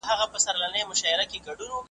چي یو قند د یار د خولې په هار خرڅیږي .